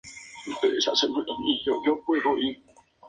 Jebel Ali está situado en una pequeña montaña en el desierto.